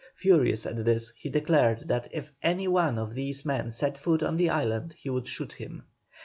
Furious at this, he declared that if any one of these men set foot on the island he would shoot him.